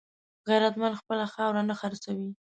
غیرتمند خپله خاوره نه خرڅوي